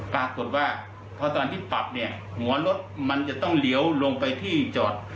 ปรากฏว่าพอตอนที่ปรับเนี่ยหัวรถมันจะต้องเหลียวลงไปที่จอด